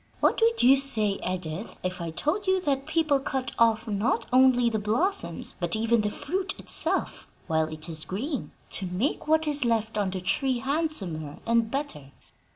What would you say, Edith, if I told you that people cut off not only the blossoms, but even the fruit itself, while it is green, to make what is left on the tree handsomer and better?"